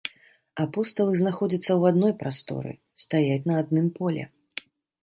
Апосталы знаходзяцца ў адной прасторы, стаяць на адным поле.